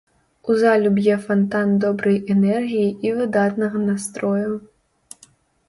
У залю б'е фантан добрай энергіі і выдатнага настрою.